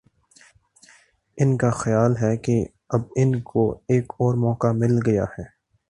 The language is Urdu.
ان کا خیال ہے کہ اب ان کو ایک اور موقع مل گیا ہے۔